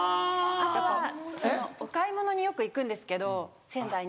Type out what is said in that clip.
あとはお買い物によく行くんですけど仙台に。